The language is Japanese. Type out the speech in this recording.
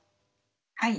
はい。